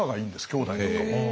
きょうだいとかも。